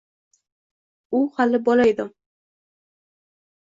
U hali bola edim.